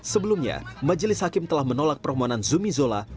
sebelumnya majelis hakim telah menolak permohonan zumi zola